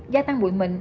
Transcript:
gia tăng bụi mịn